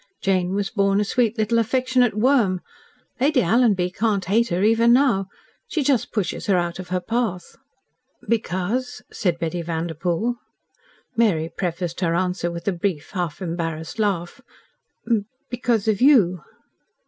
Jane was born a sweet little affectionate worm. Lady Alanby can't hate her, even now. She just pushes her out of her path." "Because?" said Betty Vanderpoel. Mary prefaced her answer with a brief, half embarrassed laugh. "Because of YOU."